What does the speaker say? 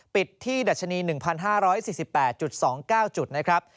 ปิดที่ดัชนี๑๕๔๘๒๙จุดนะครับ